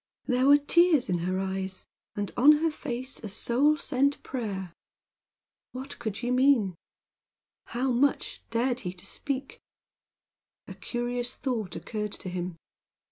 There were tears in her eyes, and on her face a soul sent prayer. What could she mean? How much dared he to speak? A curious thought occurred to him.